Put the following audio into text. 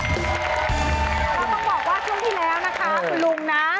เราต้องบอกว่าช่วงที่แล้วคุณลุง